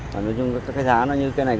nói chung cái giá nó như cái này